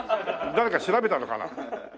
誰か調べたのかな？